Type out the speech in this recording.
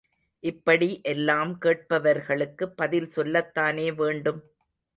இப்படி எல்லாம் கேட்பவர்களுக்கு பதில் சொல்லத்தானே வேண்டும்.